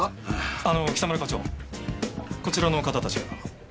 あの北村課長こちらの方たちが。